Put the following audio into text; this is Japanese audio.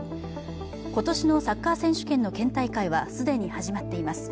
今年のサッカー選手権の県大会は既に始まっています。